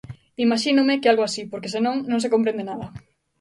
Imaxínome que é algo así, porque se non, non se comprende nada.